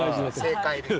正解です。